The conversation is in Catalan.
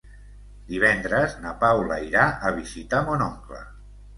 Divendres na Paula irà a visitar mon oncle.